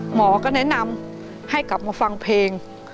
หมอก็แนะนำให้กลับมาฟังเพลง